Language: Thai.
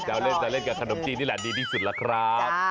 จะเล่นกับขนมจีนนี่แหละดีที่สุดล่ะครับ